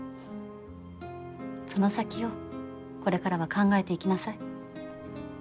その先をこれからは考えていきなさい。